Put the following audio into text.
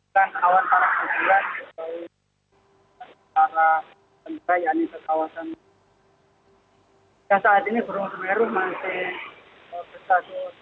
saya kami sampaikan bahwa tadi pagi gunung semeru di lemajang jawa timur mengalami erupsi